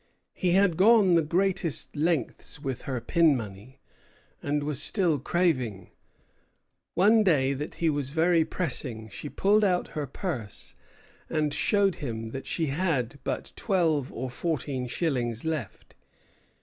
He had gone the greatest lengths with her pin money, and was still craving. One day, that he was very pressing, she pulled out her purse and showed him that she had but twelve or fourteen shillings left.